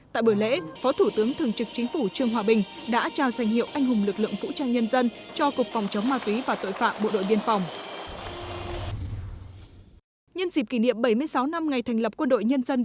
tại buổi lễ phó thủ tướng thường trực chính phủ trương hòa bình đã trao danh hiệu anh hùng lực lượng vũ trang nhân dân cho cục phòng chống ma túy và tội phạm bộ đội biên phòng